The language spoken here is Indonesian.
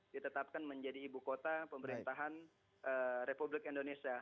ditetapkan menjadi ibu kota pemerintahan republik indonesia